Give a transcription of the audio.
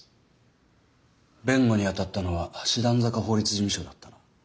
弁護に当たったのは師団坂法律事務所だったな。